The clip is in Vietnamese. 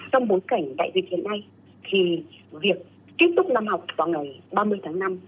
trong bối cảnh đại dịch hiện nay thì việc tiếp tục năm học vào ngày ba mươi tháng năm